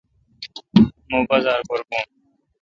مہ بازار پر بھون۔